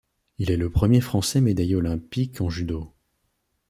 Il est le premier français médaillé olympique en judo.